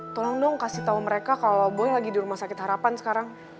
tolong dong kasih tau mereka kalau boleh lagi di rumah sakit harapan sekarang